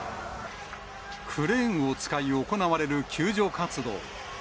クレーンを使い、行われる救助活動。